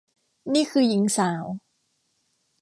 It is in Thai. นี่คือหญิงสาว